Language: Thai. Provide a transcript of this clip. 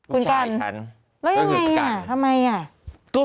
คุณกันแล้วยังไงอ่ะทำไมอ่ะคุณชายฉัน